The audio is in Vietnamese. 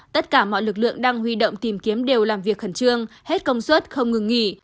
tất cả mọi lực lượng đang huy động tìm kiếm đều làm việc khẩn trương hết công suất không ngừng nghỉ